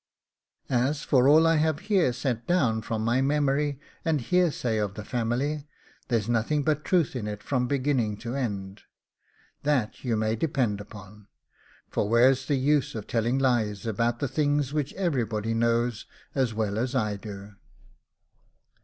As for all I have here set down from memory and hearsay of the family, there's nothing but truth in it from beginning to end. That you may depend upon, for where's the use of telling lies about the things which everybody knows as well as I do?